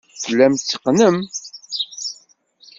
Tellam tetteqqnem.